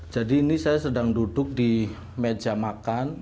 jadi ini saya sedang duduk di meja makan